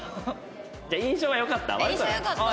じゃあ印象はよかった？